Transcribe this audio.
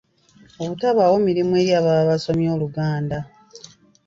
Obutabaawo mirimu eri ababa basomye Oluganda